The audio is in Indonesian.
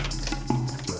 nanti aku datang